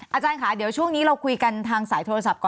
อาจารย์ค่ะเดี๋ยวช่วงนี้เราคุยกันทางสายโทรศัพท์ก่อน